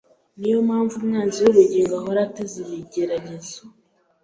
Niyo mpamvu umwanzi w’ubugingo ahora ateza ibigeragezo